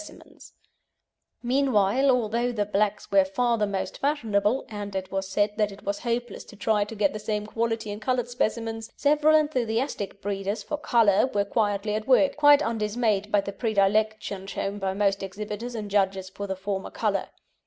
DIXON BOWDLER (Grandson) From the Painting by Lilian Cheviot] Meanwhile, although the blacks were far the most fashionable and it was said that it was hopeless to try to get the same quality in coloured specimens several enthusiastic breeders for colour were quietly at work, quite undismayed by the predilection shown by most exhibitors and judges for the former colour.